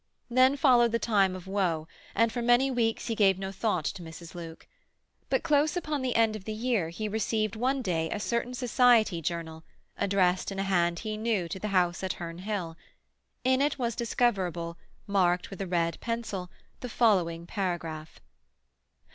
Then followed the time of woe, and for many weeks he gave no thought to Mrs. Luke. But close upon the end of the year he received one day a certain society journal, addressed in a hand he knew to the house at Herne Hill. In it was discoverable, marked with a red pencil, the following paragraph.